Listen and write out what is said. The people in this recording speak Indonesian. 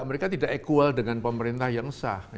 mereka tidak equal dengan pemerintah yang sah